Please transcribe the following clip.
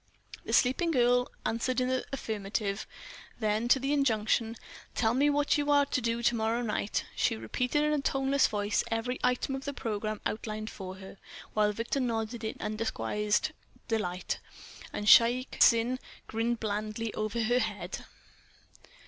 The sleeping girl answered in the affirmative. Then, to the injunction, "Tell me what you are to do to morrow night?" she repeated in a toneless voice every item of the programme outlined for her, while Victor nodded in undisguised delight, and Shaik Tsin grinned blandly over her head.